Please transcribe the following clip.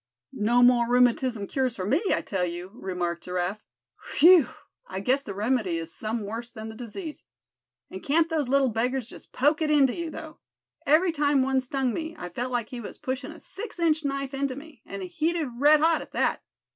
"No more rheumatism cures for me, I tell you," remarked Giraffe. "Whew! I guess the remedy is some worse than the disease. And can't those little beggars just poke it into you, though? Every time one stung me, I felt like he was pushing a six inch knife into me, and heated red hot at that.